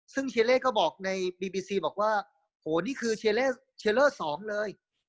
ซึ่งเชเรก็บอกในบีบีซีบอกว่าโหนี่คือเชเลอสองเลย